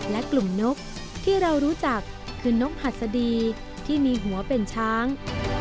และกลุ่มนกที่เรารู้จักคือนกหัสดีที่มีหัวเป็นช้าง